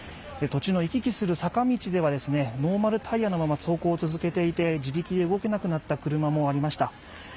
途中の行き来する坂道では、ノーマルタイヤのまま走行を続けていて自力で動けなくなった車もありました。